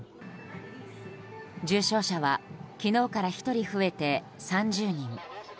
重症者は昨日から１人増えて３０人。